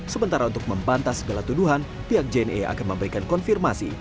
sementara untuk membantah segala tuduhan pihak jne akan memberikan konfirmasi